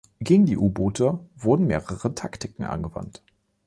Gegen die U-Boote wurden mehrere Taktiken angewandt.